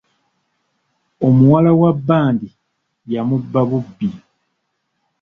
Omuwala wa bandi yamubba bubbi.